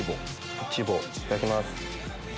いただきます。